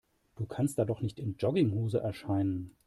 Du kannst da doch nicht in Jogginghose erscheinen.